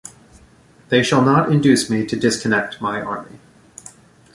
They shall not induce me to disconnect my army.